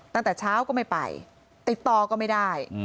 ตั้งแต่เช้าก็ไม่ไปติดต่อก็ไม่ได้